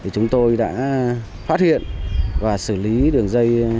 chúng tôi đã phát hiện và xử lý đường dây